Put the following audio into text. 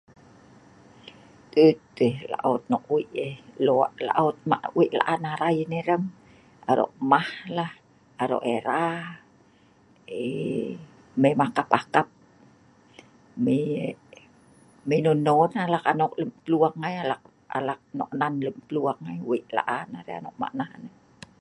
et teh laon nong weik yeh lok laot ma weik la'an arai nei hrem arok mah la arok era eei mei makap akap mei mei non non alak anok lem plung ngai alak nok nan lem plueng ngai weik la'an arai anok mak nah neh